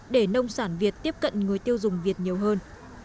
để nông sản việt tiếp cận người tiêu dùng việt nhiều hơn